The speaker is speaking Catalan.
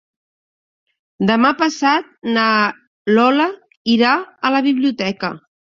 Demà passat na Lola irà a la biblioteca.